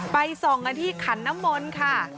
ไป๒นาทีขันน้ำมนท์ค่ะ